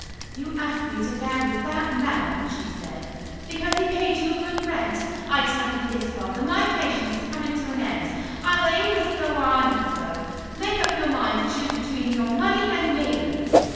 "You asked me to bear with that man," she said, "because he paid you a good rent. I tell you this, father; my patience is coming to an end. Either he must go, or I must go. Make up your mind to choose between your money and me."